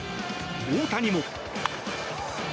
大谷も。